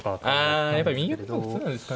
やっぱり右玉の方が普通なんですかね。